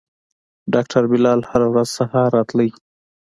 ډاکتر بلال هره ورځ سهار راته.